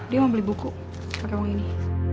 dia mau beli buku pakai uang ini